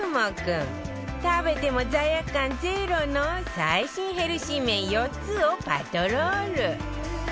食べても罪悪感ゼロの最新ヘルシー麺４つをパトロール